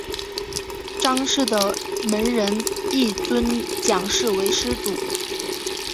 章氏的门人亦尊蒋氏为师祖。